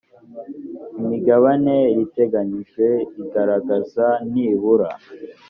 imigabane riteganyijwe igaragaza nibura